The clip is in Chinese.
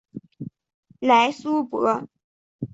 莱苏博。